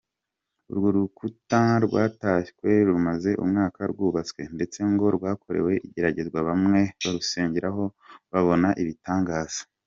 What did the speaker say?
Urwo rukuta rwatashywe, rumaze umwaka rwubatswe ndetse ngo rwakorewe igeragezwa bamwe barusengeraho babona ibitangaza.